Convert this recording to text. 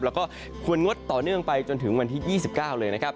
แล้วก็ควรงดต่อเนื่องไปจนถึงวันที่๒๙เลยนะครับ